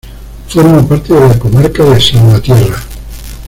Forma parte de la comarca de Salvatierra.